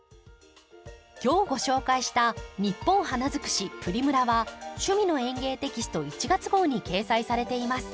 今日ご紹介した「ニッポン花づくしプリムラ」は「趣味の園芸」テキスト１月号に掲載されています。